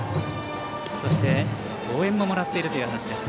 そして応援ももらっているという話です。